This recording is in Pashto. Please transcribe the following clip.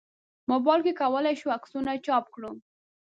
موبایل کې کولای شو عکسونه چاپ کړو.